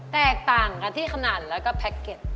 แตกต่างกันที่ขนาดแล้วก็แพ็คเก็ต